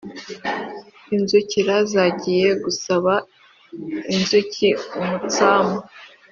inzukira zagiye gusaba inzuki umutsama.